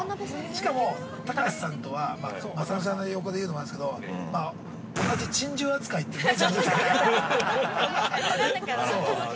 しかも隆さんとはまさのりさんの横で言うのもあれですけど、同じ珍獣扱いってジャンルでね。